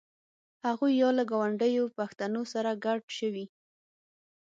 هغوی یا له ګاونډیو پښتنو سره ګډ شوي.